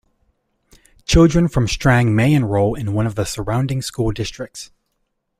Children from Strang may enroll in one of the surrounding school districts.